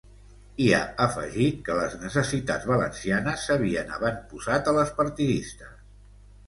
I ha afegit que les necessitats valencianes s’havien avantposat a les partidistes.